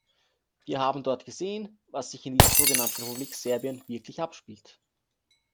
Wir haben dort gesehen, was sich in dieser sogenannten Republik Serbien wirklich abspielt.